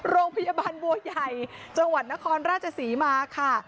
โรงพยาบาลบัวใหญ่จังหวัดนครราชศรีมาค่ะ